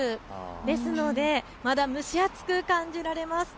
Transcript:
ですのでまだ蒸し暑く感じられます。